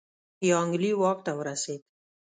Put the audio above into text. یانګلي واک ته ورسېد.